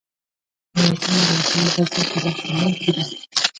ولایتونه د افغان کلتور په داستانونو کې دي.